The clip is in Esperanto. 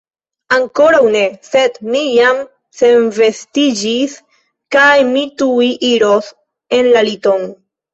Ankoraŭ ne, sed mi jam senvestiĝis kaj mi tuj iros en la liton.